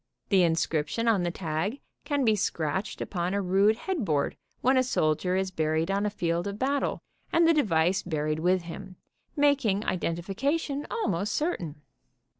"The inscription on the tag can be scratched upon a rude headboard when a soldier is buried on a field of battle and the device buried with him, making identification almost certain.